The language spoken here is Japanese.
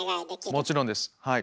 もちろんですはい。